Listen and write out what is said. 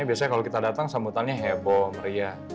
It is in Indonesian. biasanya kalau kita datang sambutannya heboh meriah